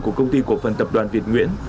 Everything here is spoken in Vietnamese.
của công ty của phần tập đoàn việt nguyễn